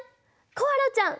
コアラちゃん！